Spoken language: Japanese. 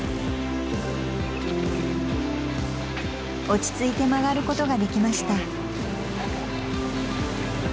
［落ち着いて曲がることができました］